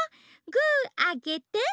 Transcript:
グーあげて！